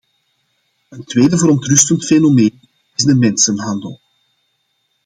Een tweede verontrustend fenomeen is de mensenhandel.